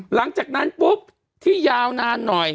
หลังจากนั้นปุ๊บที่ยาวนานหน่อย